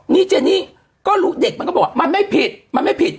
นี่เจนี่ก็รู้เด็กมันก็บอกว่ามันไม่ผิดมันไม่ผิด